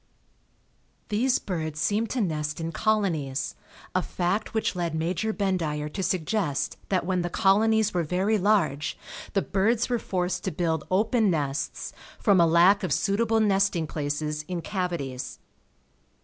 These birds seem to nest in colonies, a fact which led Major Bendire to suggest that when the colonies were very large the birds were forced to build open nests from a lack of suitable nesting places in cavities.